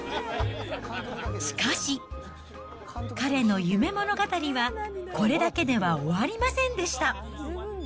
しかし、彼の夢物語はこれだけでは終わりませんでした。